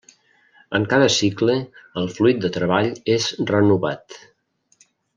En cada cicle, el fluid de treball és renovat.